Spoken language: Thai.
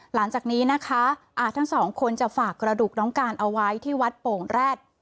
หลังจากนี้นะคะทั้งสองคนจะฝากกระดูกน้องการเอาไว้ที่วัดโป่งแร็ด